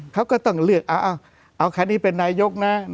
เขาก็ต้องเลือกเอาคันนี้เป็นนายกนะ